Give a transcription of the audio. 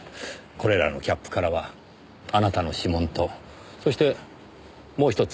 これらのキャップからはあなたの指紋とそしてもうひとつ。